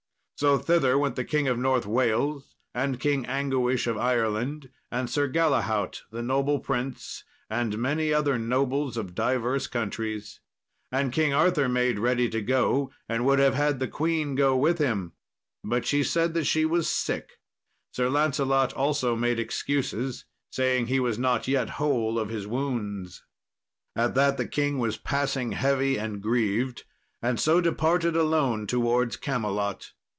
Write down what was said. So thither went the King of North Wales, and King Anguish of Ireland, and Sir Galahaut the noble prince, and many other nobles of divers countries. And King Arthur made ready to go, and would have had the queen go with him, but she said that she was sick. Sir Lancelot, also, made excuses, saying he was not yet whole of his wounds. At that the king was passing heavy and grieved, and so departed alone towards Camelot.